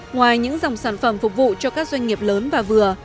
ngoài những dòng sản phẩm phục vụ cho các doanh nghiệp lớn và vừa